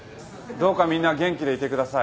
どうかみんな元気でいてください。